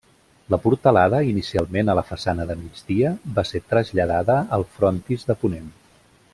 La portalada, inicialment a la façana de migdia, va ser traslladada al frontis de ponent.